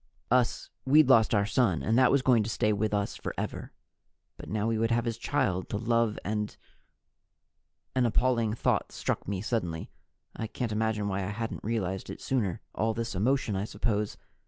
Us, we'd lost our son, and that was going to stay with us forever. But now we would have his child to love and An appalling thought struck me suddenly. I can't imagine why I hadn't realized it sooner. All this emotion, I suppose.